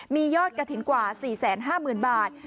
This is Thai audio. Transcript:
มียอดกระถิ่นกว่า๔๕๐๐๐บาท